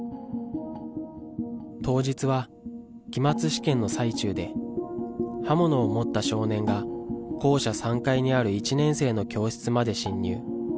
当日は期末試験の最中で、刃物を持った少年が校舎３階にある１年生の教室まで侵入。